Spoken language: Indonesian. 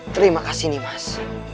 terima kasih mas